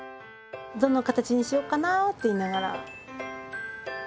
どの形にしよっかなって言いながら。